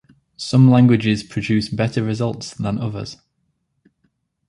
Some languages produce better results than others.